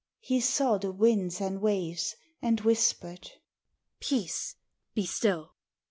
He saw the winds and waves, and whispered. "Peace, be still!"